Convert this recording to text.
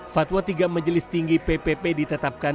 fatwa tiga majelis tinggi ppp ditetapkan